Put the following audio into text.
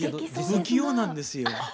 不器用なんですよ。